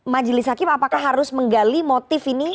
majelis hakim apakah harus menggali motif ini